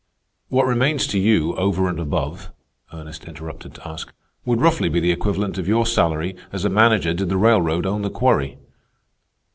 "What remains to you over and above," Ernest interrupted to ask, "would roughly be the equivalent of your salary as a manager did the railroad own the quarry."